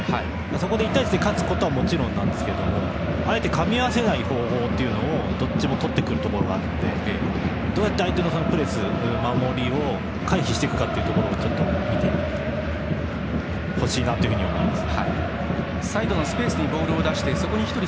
そこで１対１で勝つことはもちろんなんですけどあえてかみ合わせない方法をどちらもとってくるところがありどうやって相手のプレス、守りを回避していくかというところを見てほしいなと思います。